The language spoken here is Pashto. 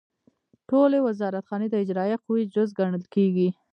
ټولې وزارتخانې د اجرائیه قوې جز ګڼل کیږي.